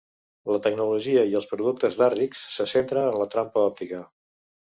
La tecnologia i els productes d'Arryx se centren en la trampa òptica.